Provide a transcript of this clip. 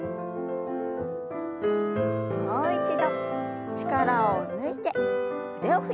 もう一度力を抜いて腕を振りましょう。